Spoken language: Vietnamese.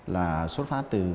là xuất phát từ